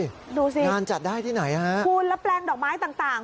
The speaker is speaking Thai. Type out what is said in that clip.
ดูสิยินที่ไหนอ่ะคุณแล้วแปลงดอกไม้ต่าง